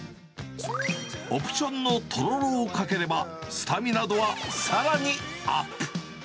オプションのとろろをかければ、スタミナ度はさらにアップ。